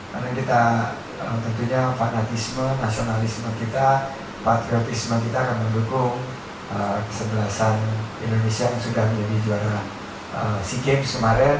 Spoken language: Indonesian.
karena tentunya fanatisme nasionalisme patriotisme kita akan mendukung kesebelasan indonesia yang sudah menjadi juara sea games kemarin